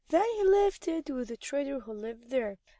Then he left it with the trader who lived there.